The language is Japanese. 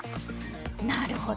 なるほど。